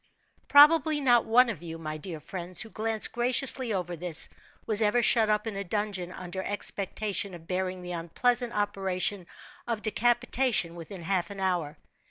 Probably not one of you; my dear friends, who glance graciously over this, was ever shut up in a dungeon under expectation of bearing the unpleasant operation of decapitation within half an hour.